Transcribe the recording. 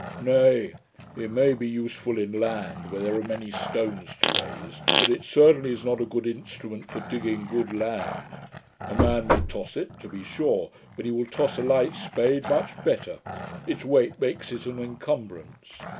'Nay,' said Dr Johnson, 'it may be useful in land where there are many stones to raise; but it certainly is not a good instrument for digging good land. A man may toss it, to be sure; but he will toss a light spade much better: its weight makes it an incumbrance.